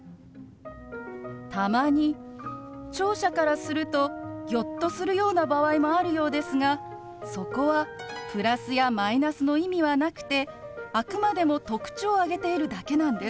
たまに聴者からするとギョッとするような場合もあるようですがそこはプラスやマイナスの意味はなくてあくまでも特徴を挙げているだけなんです。